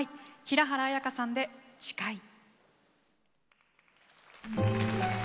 平原綾香さんで「誓い」。